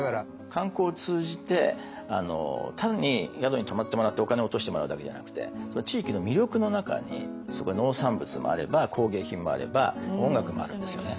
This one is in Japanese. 観光を通じて単に宿に泊まってもらってお金を落としてもらうだけじゃなくてその地域の魅力の中にそこの農産物もあれば工芸品もあれば音楽もあるんですよね。